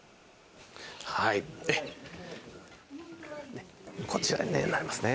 はいこちらになりますね。